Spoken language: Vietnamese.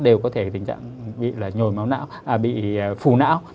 đều có thể tình trạng bị phù não